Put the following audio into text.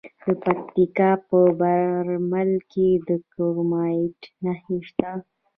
د پکتیکا په برمل کې د کرومایټ نښې شته.